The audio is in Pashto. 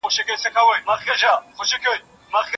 څه له محتسب څخه، څه له نیم طبیب څخه